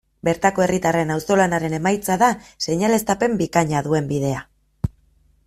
Bertako herritarren auzolanaren emaitza da seinaleztapen bikaina duen bidea.